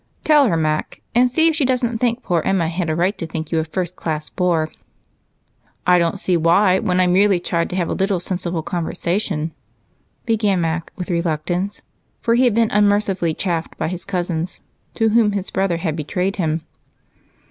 Tell her, Mac, and see if she doesn't think poor Emma had a right to think you a first class bore." "I don't see why, when I merely tried to have a little sensible conversation," began Mac with reluctance, for he had been unmercifully chaffed by his cousins, to whom his brother had betrayed him.